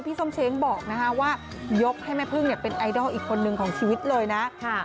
ส้มเช้งบอกว่ายกให้แม่พึ่งเป็นไอดอลอีกคนนึงของชีวิตเลยนะ